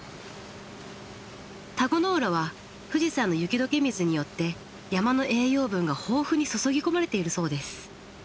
田子の浦は富士山の雪どけ水によって山の栄養分が豊富に注ぎ込まれているそうです。